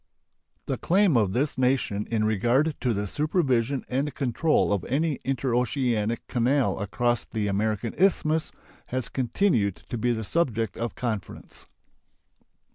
The claim of this nation in regard to the supervision and control of any interoceanic canal across the American Isthmus has continued to be the subject of conference.